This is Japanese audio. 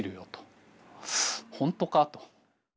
本当か？と。